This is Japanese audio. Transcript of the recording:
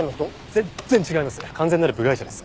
全然違います。